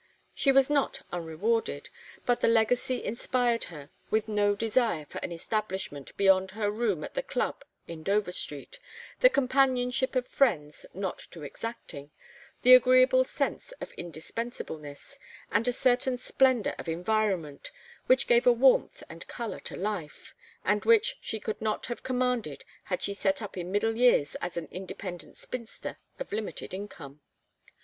She was not unrewarded, but the legacy inspired her with no desire for an establishment beyond her room at the Club in Dover Street, the companionship of friends not too exacting, the agreeable sense of indispensableness, and a certain splendor of environment which gave a warmth and color to life; and which she could not have commanded had she set up in middle years as an independent spinster of limited income.